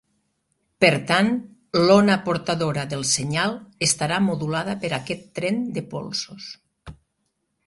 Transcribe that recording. Per tant, l'ona portadora del senyal estarà modulada per aquest tren de polsos.